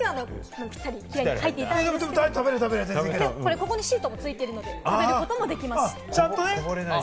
これ、ここにシートもついてるので食べることもできます。